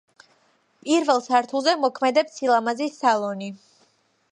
პირველ სართულზე მოქმედებს სილამაზის სალონი.